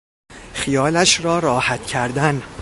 خیالش را راحت کردن